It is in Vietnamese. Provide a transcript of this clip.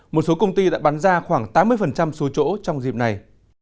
một số công ty đã bán ra khoảng tám mươi số chỗ trong dịp này